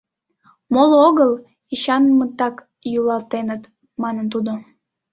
— Моло огыл, Эчанмытак йӱлатеныт, — манын тудо.